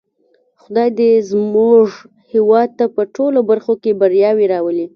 خدای دې زموږ هېواد ته په ټولو برخو کې بریاوې راولی.